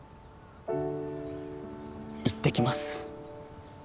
行ってきます